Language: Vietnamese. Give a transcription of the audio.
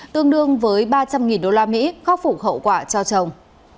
tương đương với ba trăm linh usd khóc phủ khẩu quả cho chồng